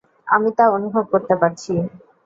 আমি তা অনুভব করতে পারছি।